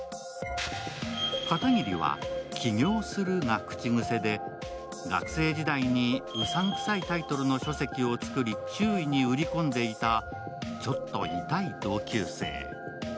片桐は「起業する」が口癖で学生時代にうさんくさいタイトルの書籍を作り周囲に売り込んでいた、ちょっとイタい同級生。